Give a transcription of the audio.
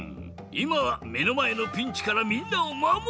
いまはめのまえのピンチからみんなをまもる！